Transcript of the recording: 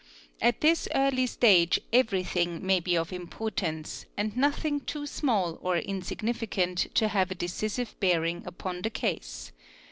At this early stage everythi ng may be of importance and nothing too small or insignificant to have a decisive bearing upon the case.